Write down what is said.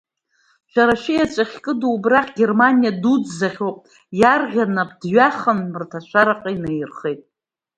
Шәара шәиаҵәа ахькыду убрахь Германиа дуӡӡахь ауп, иарӷьа напы дҩахан мраҭашәараҟа инаирхеит.